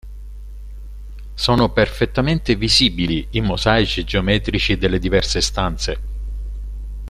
Sono perfettamente visibili i mosaici geometrici delle diverse stanze.